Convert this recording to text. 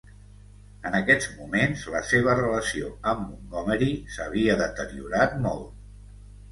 En aquests moments, la seva relació amb Montgomery s'havia deteriorat molt.